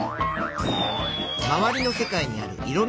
まわりの世界にあるいろんなふしぎ。